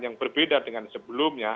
yang berbeda dengan sebelumnya